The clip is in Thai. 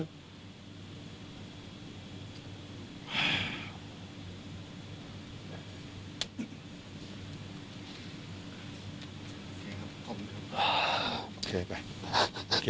โอเคครับขอบคุณครับ